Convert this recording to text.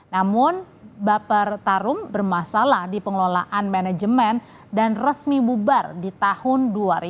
namun baper tarum bermasalah di pengelolaan manajemen dan resmi bubar di tahun dua ribu dua puluh